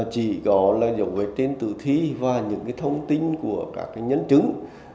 chỉ có là diệu vệt tên tử thí và những cái thông tin của các cái nhấn chứng